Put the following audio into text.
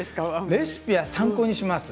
レシピは参考にします。